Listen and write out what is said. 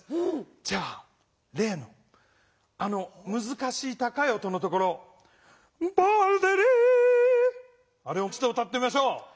じゃあれいのあのむずかしい高い音のところ「バルデリー」あれをもういちど歌ってみましょう。